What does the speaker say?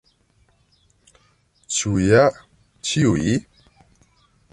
Ĉu ja ĉiuj?